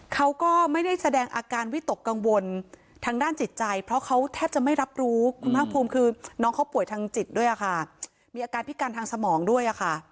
เขาก็ไม่ได้แสดงอาการวิตกกังวลทางด้านจิตใจเพราะเขาแทบจะไม่รับรู้คุณภาคภูมิคือน้องเขาป่วยทางจิตด้วยค่ะมีอาการพิการทางสมองด้วยค่ะ